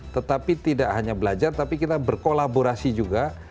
tetapi tidak hanya belajar tapi kita berkolaborasi juga